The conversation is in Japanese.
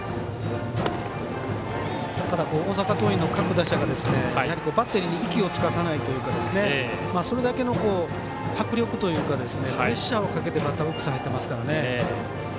ただ、大阪桐蔭の各打者がやはりバッテリーに息をつかさないというかそれだけの迫力というかプレッシャーをかけてバッターボックスに入ってますからね。